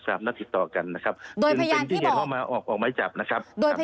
สามนักติดต่อกันนะครับโดยพยานที่เห็นเขามาออกมาจับนะครับ